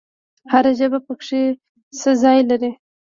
هر ژبه پکې څه ځای لري؟